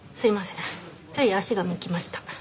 つい足が向きました。